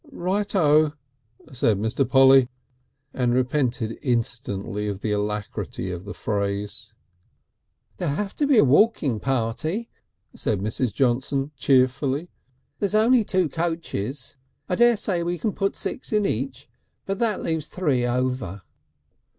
"Right O," said Mr. Polly, and repented instantly of the alacrity of the phrase. "There'll have to be a walking party," said Mrs. Johnson cheerfully. "There's only two coaches. I daresay we can put in six in each, but that leaves three over."